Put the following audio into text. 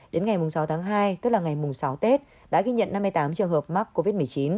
đến ngày sáu tháng hai tức là ngày sáu tết đã ghi nhận năm mươi tám trường hợp mắc covid một mươi chín